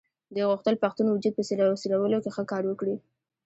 دوی غوښتل پښتون وجود په څېرلو کې ښه کار وکړي.